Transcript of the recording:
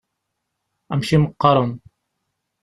Amek i m-qqaṛen?